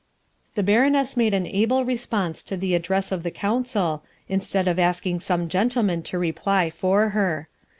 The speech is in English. The Baroness made an able response to the address of the Council, instead of asking some gentleman to reply for her.